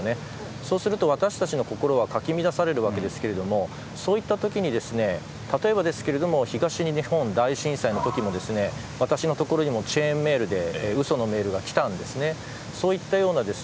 そうすると私たちの心はかき乱されるわけですがそういったときに例えば、東日本大震災のときも私のところにもチェーンメールで嘘のメールが来たんです。